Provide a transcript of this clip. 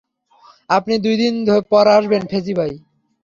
আপনি দুইদিন পর আসবেন, ফেজি ভাই।